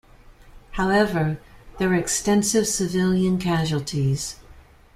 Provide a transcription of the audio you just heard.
However, there were extensive civilian casualties.